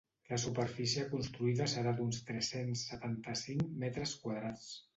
La superfície construïda serà d’uns tres-cents setanta-cinc m².